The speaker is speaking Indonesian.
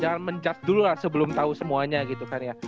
jangan menjudge dulu lah sebelum tahu semuanya gitu kan ya